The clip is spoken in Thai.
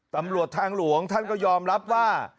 ตำรวจทางหลวงท่านก็ยอมรับว่า